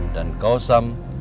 dan kau sam